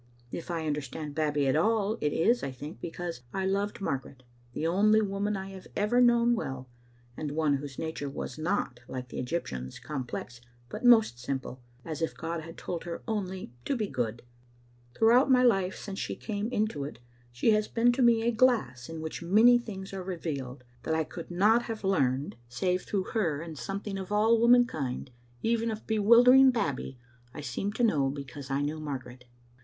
If I understand Babbie at all, it is, I think, because I loved Margaret, the only woman I have ever known well, and one whose nature was not, like the Egyptian's, complex, but most simple, as if God had told her only to be good. Throughout my life since she came into it she has been to me a glass in which manj'' things are revealed that I could not have learned save through Digitized by VjOOQ IC 908 Qbe Xfttle Ainfster. her, and something of all womankind, even of bewilder ing Babbie, I seem to know because I knew Margaret.